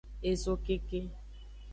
Ezokeke.